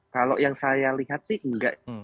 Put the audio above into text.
kalau yang saya lihat sih enggak